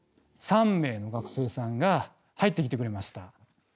３名の学生さんが入ってきてくれました。